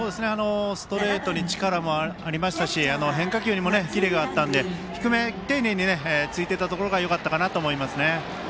ストレートに力もありましたし、変化球にもキレがあったので、低め丁寧に突いていたところがよかったかなと思いますね。